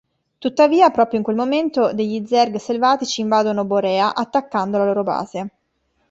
Tuttavia, proprio in quel momento degli zerg selvatici invadono Borea attaccando la loro base.